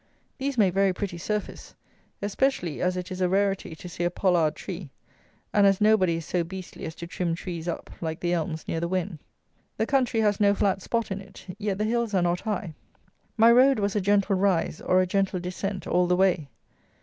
These make very pretty surface, especially as it is a rarity to see a pollard tree, and as nobody is so beastly as to trim trees up like the elms near the Wen. The country has no flat spot in it; yet the hills are not high. My road was a gentle rise or a gentle descent all the way.